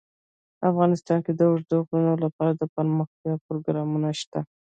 افغانستان کې د اوږده غرونه لپاره دپرمختیا پروګرامونه شته.